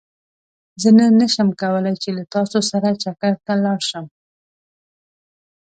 زه نن نه شم کولاي چې له تاسو سره چکرته لاړ شم